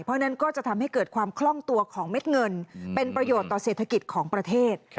เพราะฉะนั้นก็จะทำให้เกิดความคล่องตัวของเม็ดเงินเป็นประโยชน์ต่อเศรษฐกิจของประเทศ